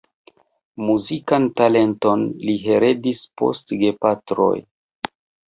Muzikan talenton li heredis post gepatroj.